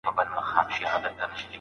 انساني درد ژبه نه پېژني.